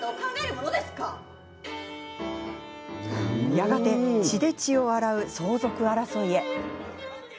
やがて血で血を洗う相続争いへ。